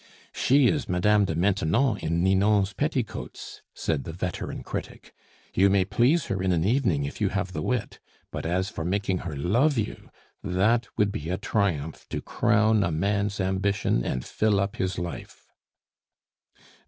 "She is Madame de Maintenon in Ninon's petticoats!" said the veteran critic. "You may please her in an evening if you have the wit; but as for making her love you that would be a triumph to crown a man's ambition and fill up his life."